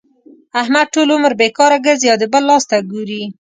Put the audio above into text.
احمد ټول عمر بېکاره ګرځي او د بل لاس ته ګوري.